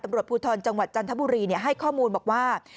ตำรวจภูทรจังหวัดจันทบุรีให้ข้อมูลบอกว่า